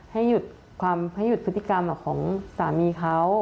ให้หยุดพฤติกรรมของสามีเขา